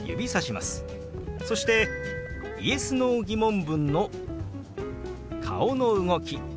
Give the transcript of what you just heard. そしてＹｅｓ／Ｎｏー疑問文の顔の動き